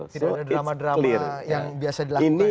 tidak ada drama drama yang biasa dilakukan